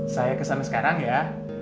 saya kesana sekarang ya